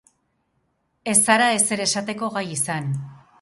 Ez zara ezer esateko gai izan.